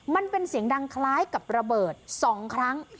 มันเป็นเสียงดังคล้ายกับระเบิด๒ครั้ง